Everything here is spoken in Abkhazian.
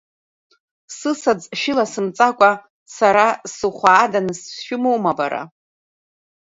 Сысаӡ шәыласымҵакәа, сара сыхуааданы сшәымоума, бара?